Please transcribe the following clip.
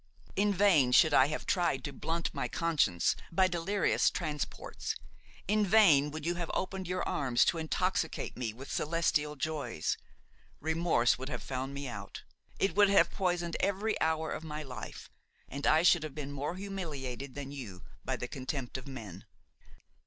In vain should I have tried to blunt my conscience by delirious transports; in vain would you have opened your arms to intoxicate me with celestial joys–remorse would have found me out; it would have poisoned every hour of my life, and I should have been more humiliated than you by the contempt of men.